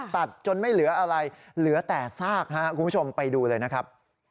ตัดจนไม่เหลืออะไรเหลือแต่ซากครับคุณผู้ชมไปดูเลยนะครับ